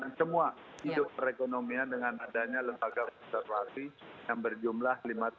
dan semua hidup perekonomian dengan adanya lembaga konservasi yang berjumlah lima puluh tujuh